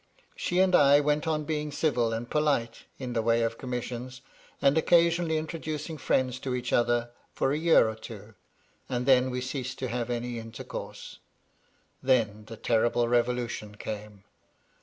She and I went on being civil and polite in the way of commissions, and occasionafly introducing friends to each other, for a year or two, and then we ceased to have any inter course. Then the ^terrible revolution came.